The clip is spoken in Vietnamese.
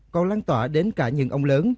còn lãng tỏa đến cả những ông lớn